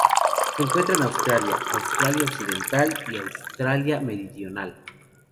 Se encuentra en Australia: Australia Occidental y Australia Meridional.